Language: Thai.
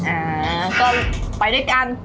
อ่าก็ไปด้วยกัน